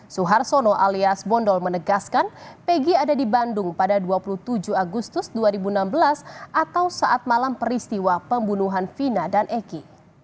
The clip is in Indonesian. suhartono alias bondol menegaskan pg ada di bandung pada dua puluh tujuh agustus dua ribu enam belas atau saat malam peristiwa pembunuhan vina dan eki